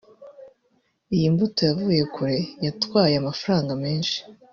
“Iyi mbuto yavuye kure yatwaye amafaranga mesnhi